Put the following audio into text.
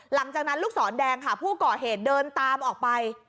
หลังจากนั้นลูกศรแดงค่ะผู้ก่อเหตุเดินตามออกไป